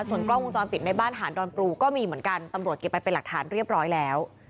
ส่วนกล้องวงจรปิดในบ้านหานดอนปรูก็มีเหมือนกันตำรวจเก็บไปเป็นหลักฐานเรียบร้อยแล้ว